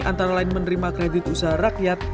antara lain menerima kredit usaha rakyat